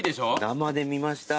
生で見ました。